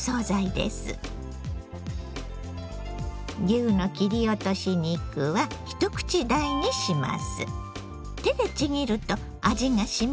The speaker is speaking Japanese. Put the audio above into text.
牛の切り落とし肉は一口大にします。